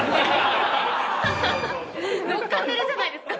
乗っかってるじゃないですか。